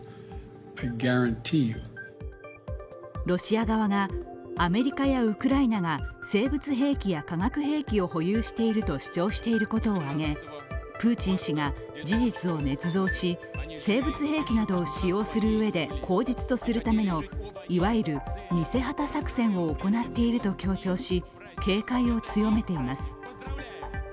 ロシア側がアメリカやウクライナが生物兵器や化学兵器を保有していると主張していることを挙げプーチン氏が事実をねつ造し、生物兵器などを使用するうえで口実とするためのいわゆる偽旗作戦を行っていると強調し警戒を強めています。